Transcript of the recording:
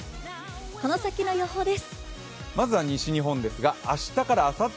この先の予報です。